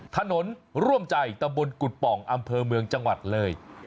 ถนนร่วมใจตำบลกุฎป่องอำเภอเมืองจังหวัดเลย